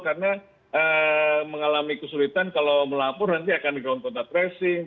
karena mengalami kesulitan kalau melapor nanti akan digaung kontak tracing